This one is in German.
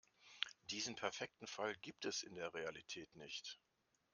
Diesen perfekten Fall gibt es in der Realität nicht.